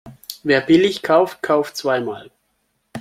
Wer billig kauft, kauft zweimal.